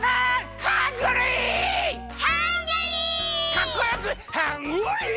かっこよくハングリー！